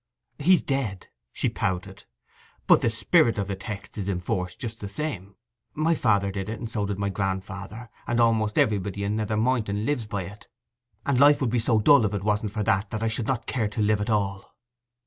'He's dead,' she pouted. 'But the spirit of the text is in force just the same.' 'My father did it, and so did my grandfather, and almost everybody in Nether Moynton lives by it, and life would be so dull if it wasn't for that, that I should not care to live at all.